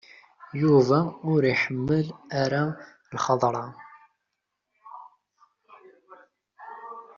Yuba ur iḥemmel ara lxeḍra.